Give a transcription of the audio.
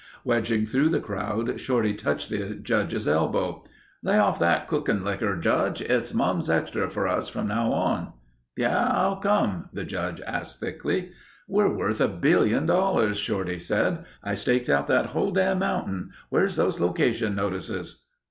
Wedging through the crowd, Shorty touched the Judge's elbow: "Lay off that cooking likker, Judge. It's Mum's Extra for us from now on." "Yeh? How come?" the Judge asked thickly. "We're worth a billion dollars," Shorty said. "I staked out that whole dam' mountain. Where're those location notices?"